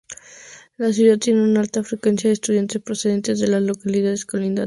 La ciudad tiene una alta afluencia de estudiantes procedentes de las localidades colindantes.